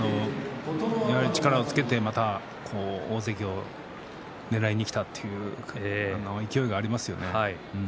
やはり力をつけて、また大関をねらいにきたという勢いがありますよね。